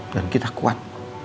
dan kita kuat